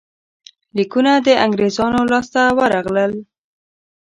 لیکونه د انګرېزانو لاسته ورغلل.